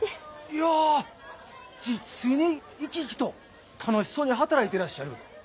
いや実に生き生きと楽しそうに働いてらっしゃる。